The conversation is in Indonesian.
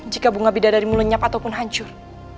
jika bunga bidadarimu lenyap ataupun hancur